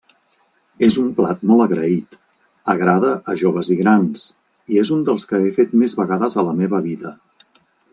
És un plat molt agraït, agrada a joves i grans, i és un dels que he fet més vegades a la meva vida.